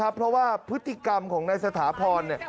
เพราะว่าพฤติกรรมของนายสถาพร